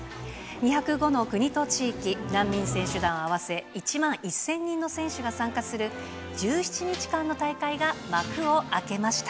２０５の国と地域、難民選手団を合わせ、１万１０００人の選手が参加する、１７日間の大会が幕を開けました。